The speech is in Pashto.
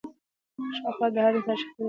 ښه اخلاق د هر انسان شخصیت ډېر ښکلی کوي.